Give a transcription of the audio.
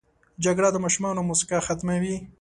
جګړه د ماشومانو موسکا ختموي